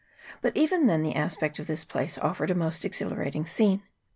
But even then the aspect of this place of fered a most exhilarating scene.